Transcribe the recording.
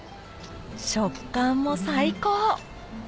食感も最高！